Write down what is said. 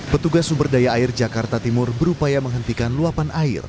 petugas sumber daya air jakarta timur berupaya menghentikan luapan air